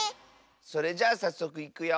それじゃあさっそくいくよ。